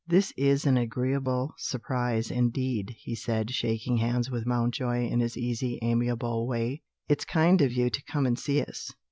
"This is an agreeable surprise, indeed," he said, shaking hands with Mountjoy in his easy amiable way. "It's kind of you to come and see us."